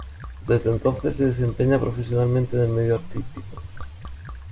Desde entonces se desempeña profesionalmente en el medio artístico.